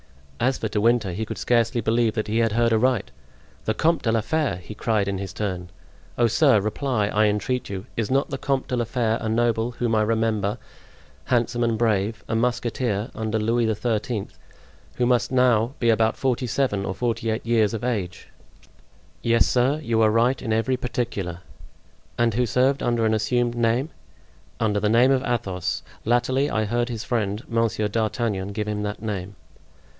As for De Winter he could scarcely believe that he had heard aright. "The Comte de la Fere!" he cried in his turn. "Oh, sir, reply, I entreat you—is not the Comte de la Fere a noble whom I remember, handsome and brave, a musketeer under Louis XIII., who must be now about forty seven or forty eight years of age?" "Yes, sir, you are right in every particular!" "And who served under an assumed name?" "Under the name of Athos. Latterly I heard his friend, Monsieur d'Artagnan, give him that name."